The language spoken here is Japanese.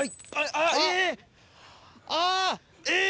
あっえっ